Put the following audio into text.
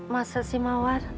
masa sih mawar